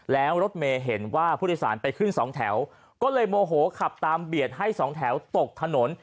แล้วรถเมย์เห็นว่าผู้โดยสารไปขึ้นสองแถวก็เลยโมโหขับตามเบียดให้สองแถวตกถนน